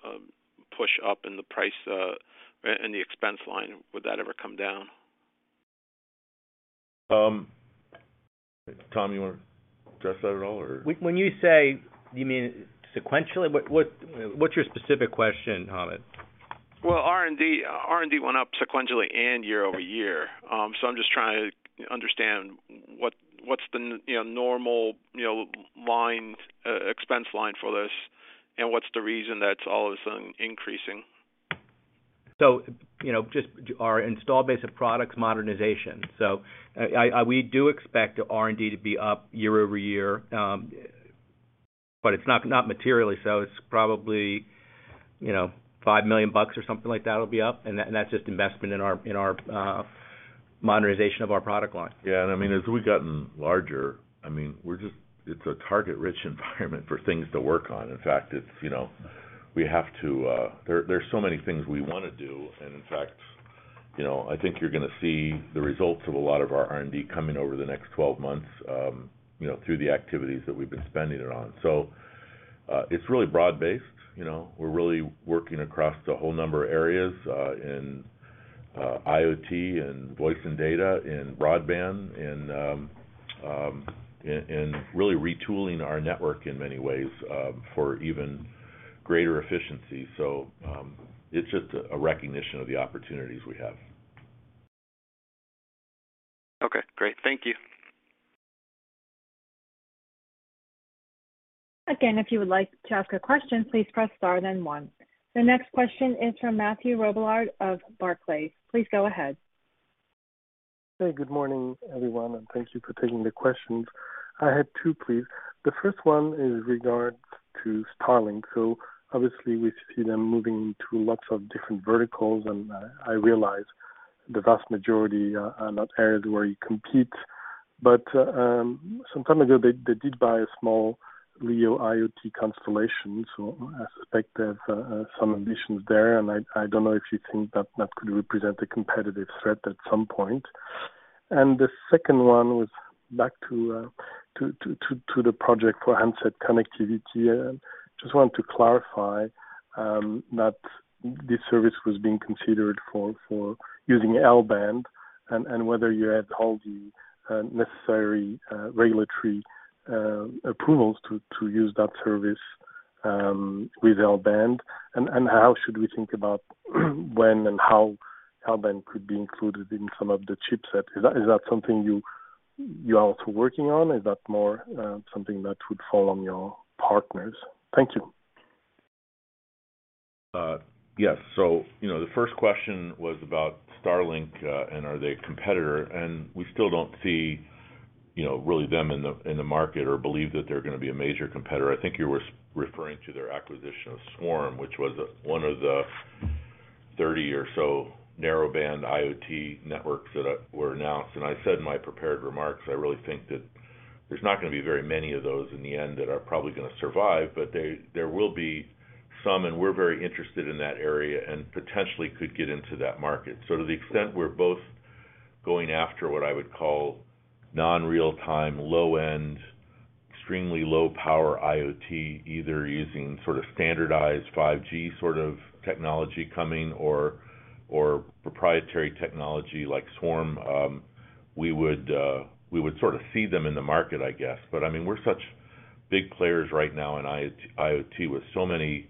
push up in the price in the expense line? Would that ever come down? Tom, you wanna address that at all or? When you say, you mean sequentially? What’s your specific question, Hamid? Well, R&D went up sequentially and year over year. I'm just trying to understand what's the, you know, normal, you know, line expense line for this, and what's the reason that's all of a sudden increasing. You know, just our installed base of products modernization. I we do expect R&D to be up year-over-year, but it's not materially so. It's probably, you know, $5 million or something like that will be up, and that's just investment in our modernization of our product line. Yeah. I mean, as we've gotten larger, I mean, it's a target-rich environment for things to work on. In fact, you know, we have to. There's so many things we wanna do. In fact, you know, I think you're gonna see the results of a lot of our R&D coming over the next 12 months, you know, through the activities that we've been spending it on. It's really broad-based. You know, we're really working across a whole number of areas in IoT and voice and data, in broadband, and in really retooling our network in many ways for even greater efficiency. It's just a recognition of the opportunities we have. Okay, great. Thank you. Again, if you would like to ask a question, please press Star then One. The next question is from Mathieu Robilliard of Barclays. Please go ahead. Hey, good morning, everyone, and thank you for taking the questions. I had two, please. The first one is regarding Starlink. So obviously we see them moving into lots of different verticals, and I realize the vast majority are not areas where you compete. But some time ago they did buy a small LEO IoT constellation. So I suspect there's some ambitions there, and I don't know if you think that could represent a competitive threat at some point. The second one was back to the project for handset connectivity. Just wanted to clarify that this service was being considered for using L-band and whether you had all the necessary regulatory approvals to use that service with L-band. How should we think about when and how L-band could be included in some of the chipset? Is that something you are also working on? Is that more something that would fall on your partners? Thank you. Yes. You know, the first question was about Starlink, and are they a competitor. We still don't see, you know, really them in the market or believe that they're gonna be a major competitor. I think you were referring to their acquisition of Swarm, which was one of the 30 or so narrowband IoT networks that were announced. I said in my prepared remarks, I really think that there's not gonna be very many of those in the end that are probably gonna survive. There will be some, and we're very interested in that area and potentially could get into that market. To the extent we're both going after what I would call non-real time, low-end, extremely low power IoT, either using sort of standardized 5G sort of technology coming or proprietary technology like Swarm, we would sort of see them in the market, I guess. I mean, we're such big players right now in IoT with so many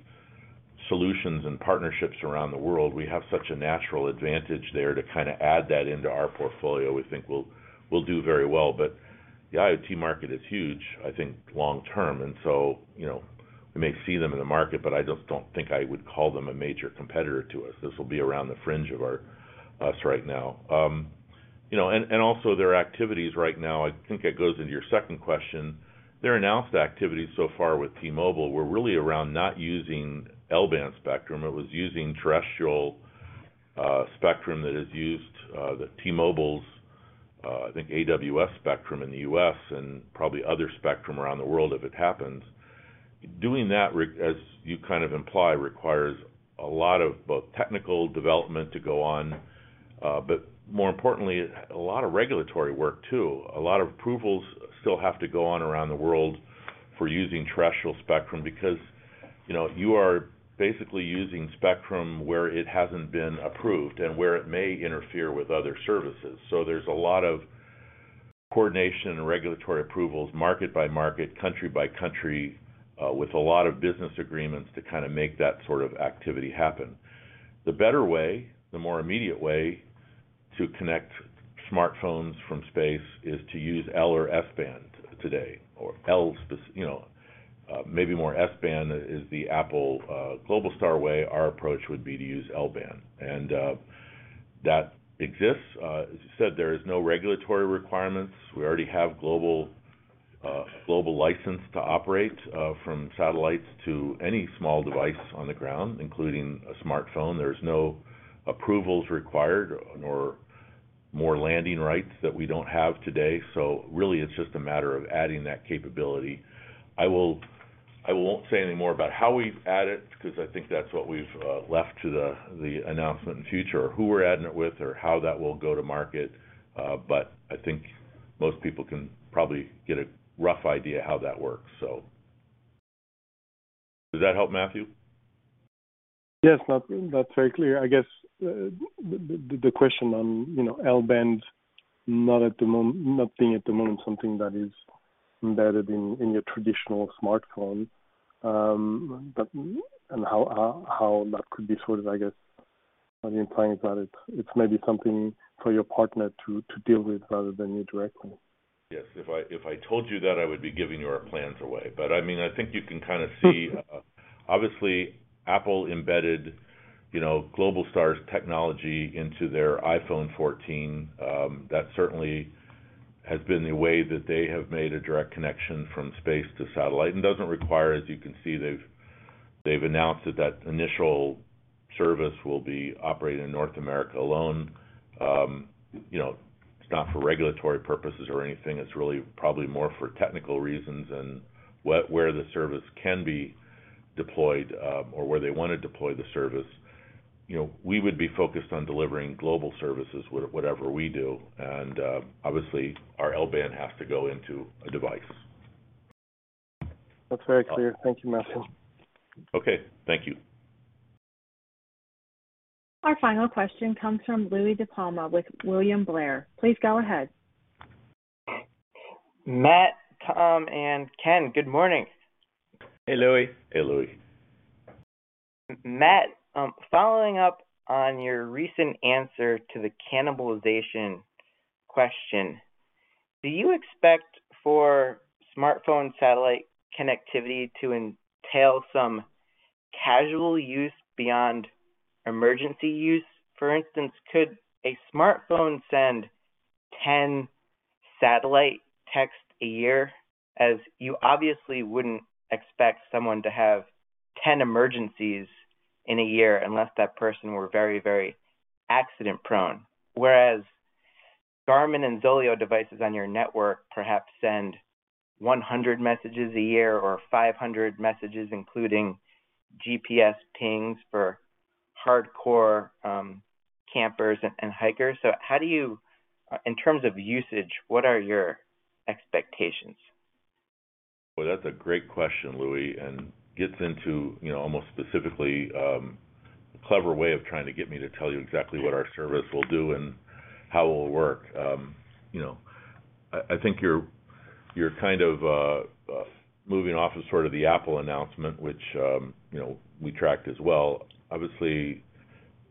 solutions and partnerships around the world. We have such a natural advantage there to kinda add that into our portfolio. We think we'll do very well. The IoT market is huge, I think long-term, and so, you know, we may see them in the market, but I just don't think I would call them a major competitor to us. This will be around the fringe of our us right now. You know, also their activities right now, I think it goes into your second question. Their announced activities so far with T-Mobile were really around not using L-band spectrum. It was using terrestrial spectrum that is used, that T-Mobile's, I think AWS spectrum in the U.S. and probably other spectrum around the world if it happens. Doing that, as you kind of imply, requires a lot of both technical development to go on, but more importantly, a lot of regulatory work too. A lot of approvals still have to go on around the world for using terrestrial spectrum because, you know, you are basically using spectrum where it hasn't been approved and where it may interfere with other services. There's a lot of coordination and regulatory approvals, market by market, country by country, with a lot of business agreements to kind of make that sort of activity happen. The better way, the more immediate way to connect smartphones from space is to use L- or S-band today. You know, maybe more S-band is the Apple, Globalstar way. Our approach would be to use L-band. That exists. As you said, there is no regulatory requirements. We already have global license to operate from satellites to any small device on the ground, including a smartphone. There's no approvals required, no more landing rights that we don't have today. Really, it's just a matter of adding that capability. I won't say any more about how we add it because I think that's what we've left to the announcement in future, or who we're adding it with or how that will go to market. But I think most people can probably get a rough idea how that works. Does that help, Mathieu? Yes. That's very clear. I guess the question on, you know, L-band not being at the moment something that is embedded in your traditional smartphone, but how that could be sorted, I guess. I'm implying that it's maybe something for your partner to deal with rather than you directly. Yes. If I told you that, I would be giving our plans away. I mean, I think you can kind of see, obviously, Apple embedded, you know, Globalstar's technology into their iPhone 14. That certainly has been the way that they have made a direct connection from space to satellite. Doesn't require, as you can see, they've announced that the initial service will be operating in North America alone. You know, it's not for regulatory purposes or anything. It's really probably more for technical reasons and where the service can be deployed, or where they want to deploy the service. You know, we would be focused on delivering global services, whatever we do, and obviously, our L-band has to go into a device. That's very clear. Thank you, Matt. Okay. Thank you. Our final question comes from Louie DiPalma with William Blair. Please go ahead. Matt, Tom, and Ken, good morning. Hey, Louie. Hey, Louie. Matt, following up on your recent answer to the cannibalization question, do you expect for smartphone satellite connectivity to entail some casual use beyond emergency use? For instance, could a smartphone send 10 satellite texts a year, as you obviously wouldn't expect someone to have 10 emergencies in a year unless that person were very, very accident-prone. Whereas Garmin and ZOLEO devices on your network perhaps send 100 messages a year or 500 messages, including GPS pings for hardcore campers and hikers. How do you, in terms of usage, what are your expectations? Well, that's a great question, Louis, and gets into, you know, almost specifically a clever way of trying to get me to tell you exactly what our service will do and how it will work. You know, I think you're kind of moving off of sort of the Apple announcement, which, you know, we tracked as well. Obviously,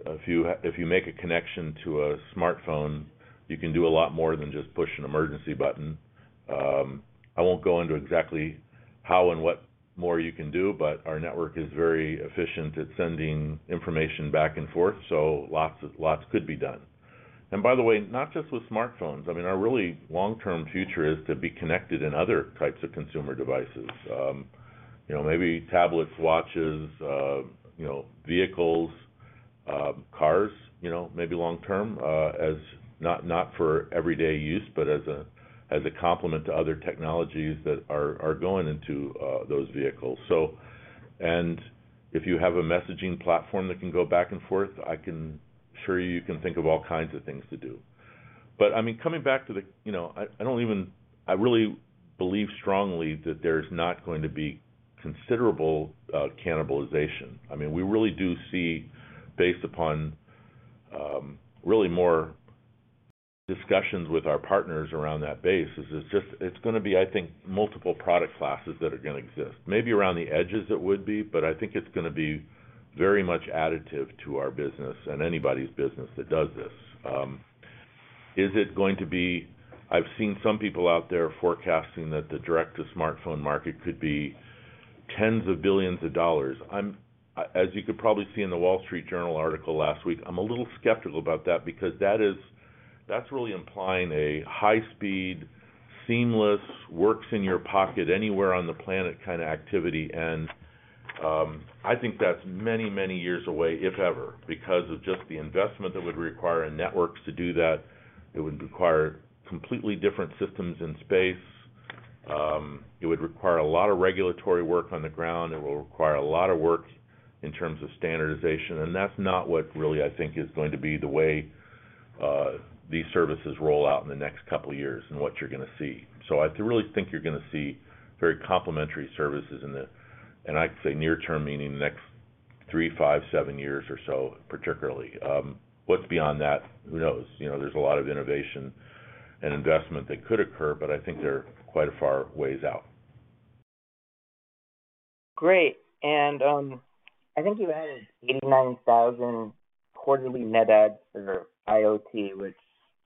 if you make a connection to a smartphone, you can do a lot more than just push an emergency button. I won't go into exactly how and what more you can do, but our network is very efficient at sending information back and forth, so lots could be done. By the way, not just with smartphones. I mean, our really long-term future is to be connected in other types of consumer devices. You know, maybe tablets, watches, you know, vehicles, cars, you know, maybe long term, as not for everyday use, but as a complement to other technologies that are going into those vehicles. If you have a messaging platform that can go back and forth, I can assure you can think of all kinds of things to do. I mean, coming back to the. You know, I really believe strongly that there's not going to be considerable cannibalization. I mean, we really do see based upon really more discussions with our partners around that base, it's just gonna be, I think, multiple product classes that are gonna exist. Maybe around the edges it would be, but I think it's gonna be very much additive to our business and anybody's business that does this. I've seen some people out there forecasting that the direct-to-smartphone market could be tens of billions of dollars. I'm, as you could probably see in The Wall Street Journal article last week, a little skeptical about that because that's really implying a high speed, seamless, works in your pocket anywhere on the planet kind of activity. I think that's many, many years away, if ever, because of just the investment that would require in networks to do that. It would require completely different systems in space. It would require a lot of regulatory work on the ground. It will require a lot of work in terms of standardization, and that's not what really I think is going to be the way, these services roll out in the next couple of years and what you're gonna see. I really think you're gonna see very complementary services in the, I'd say, near term, meaning the next 3 to 5, 7 years or so, particularly. What's beyond that, who knows? You know, there's a lot of innovation and investment that could occur, but I think they're quite a far ways out. Great. I think you added 89,000 quarterly net adds for your IoT, which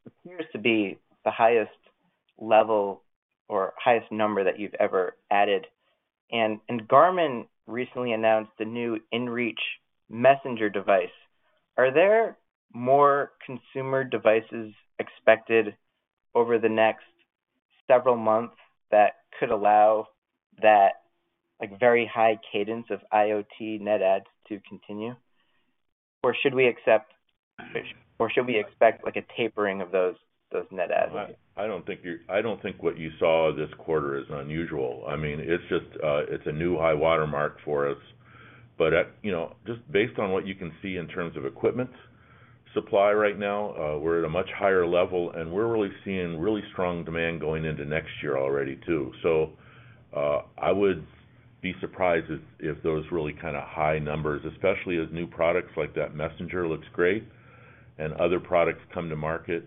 appears to be the highest level or highest number that you've ever added. Garmin recently announced a new inReach Messenger device. Are there more consumer devices expected over the next several months that could allow that, like, very high cadence of IoT net adds to continue? Or should we accept- Mm-hmm. Should we expect, like, a tapering of those net adds? I don't think what you saw this quarter is unusual. I mean, it's just, it's a new high watermark for us. You know, just based on what you can see in terms of equipment supply right now, we're at a much higher level, and we're really seeing really strong demand going into next year already too. I would be surprised if those really kind of high numbers, especially as new products like the inReach Messenger look great, and other products come to market.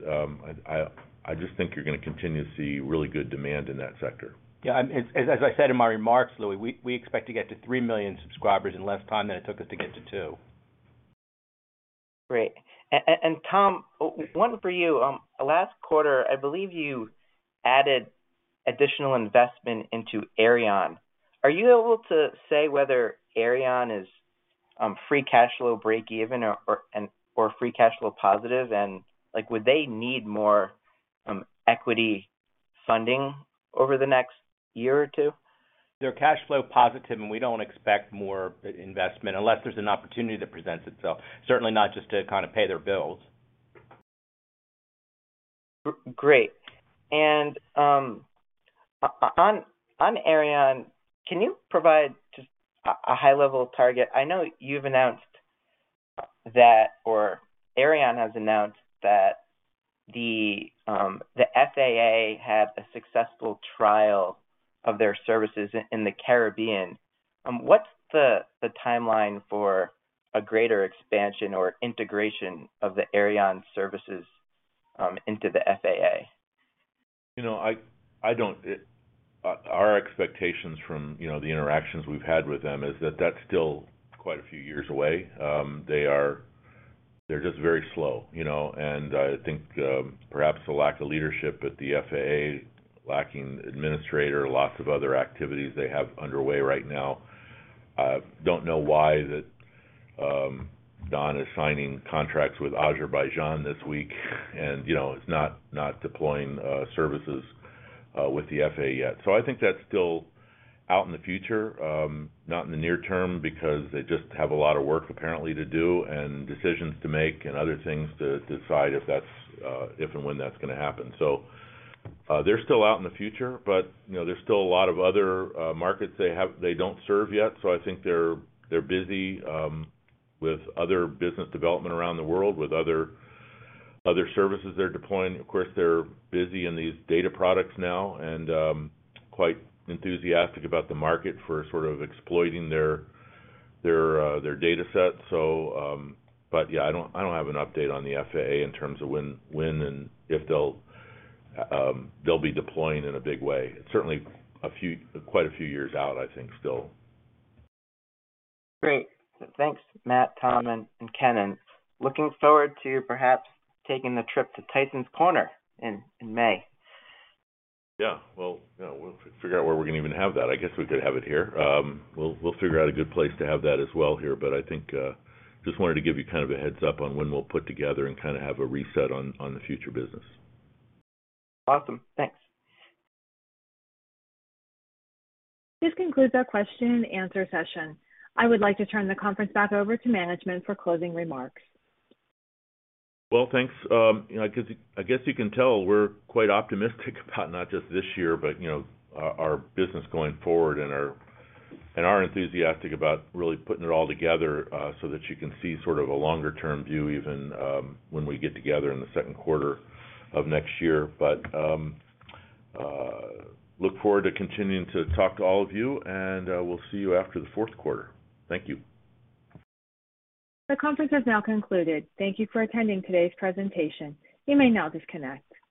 I just think you're gonna continue to see really good demand in that sector. Yeah, as I said in my remarks, Louie DiPalma, we expect to get to 3 million subscribers in less time than it took us to get to 2. Great. Tom, one for you. Last quarter, I believe you added additional investment into Aireon. Are you able to say whether Aireon is free cash flow breakeven or free cash flow positive? Like, would they need more equity funding over the next year or two? They're cash flow positive, and we don't expect more investment unless there's an opportunity that presents itself. Certainly not just to kinda pay their bills. Great. On Aireon, can you provide just a high-level target? I know you've announced that or Aireon has announced that the FAA had a successful trial of their services in the Caribbean. What's the timeline for a greater expansion or integration of the Aireon services into the FAA? You know, our expectations from, you know, the interactions we've had with them is that that's still quite a few years away. They're just very slow, you know. I think perhaps the lack of leadership at the FAA, lacking administrator, lots of other activities they have underway right now. Don't know why that Don is signing contracts with Azerbaijan this week and, you know, is not deploying services with the FAA yet. I think that's still out in the future, not in the near term, because they just have a lot of work, apparently, to do and decisions to make and other things to decide if and when that's gonna happen. They're still out in the future, but, you know, there's still a lot of other markets they have, they don't serve yet. I think they're busy with other business development around the world, with other services they're deploying. Of course, they're busy in these data products now and quite enthusiastic about the market for sort of exploiting their data sets. But yeah, I don't have an update on the FAA in terms of when and if they'll be deploying in a big way. It's certainly quite a few years out, I think, still. Great. Thanks, Matt, Tom, and Ken, and looking forward to perhaps taking the trip to Tysons Corner in May. Yeah. Well, you know, we'll figure out where we're gonna even have that. I guess we could have it here. We'll figure out a good place to have that as well here. I think just wanted to give you kind of a heads up on when we'll put together and kinda have a reset on the future business. Awesome. Thanks. This concludes our question and answer session. I would like to turn the conference back over to management for closing remarks. Well, thanks. You know, I guess you can tell we're quite optimistic about not just this year, but you know, our business going forward, and are enthusiastic about really putting it all together, so that you can see sort of a longer term view even, when we get together in the second quarter of next year. Look forward to continuing to talk to all of you, and we'll see you after the fourth quarter. Thank you. The conference has now concluded. Thank you for attending today's presentation. You may now disconnect.